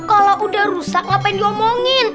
kalau udah rusak apa yang diomongin